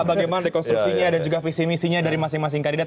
bagaimana rekonstruksinya dan juga visi misinya dari masing masing kandidat